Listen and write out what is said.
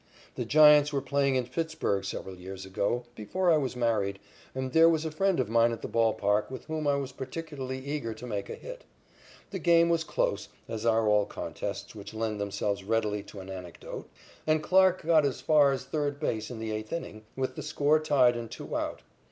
The Giants were playing in Pittsburg several years ago, before I was married, and there was a friend of mine at the ball park with whom I was particularly eager to make a hit. The game was close, as are all contests which lend themselves readily to an anecdote, and Clarke got as far as third base in the eighth inning, with the score tied and two out.